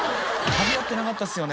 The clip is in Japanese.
かみ合ってなかったですよね。